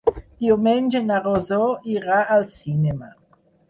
Diumenge na Rosó irà al cinema.